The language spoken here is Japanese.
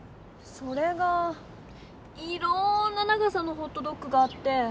それがいろんな長さのホットドッグがあって。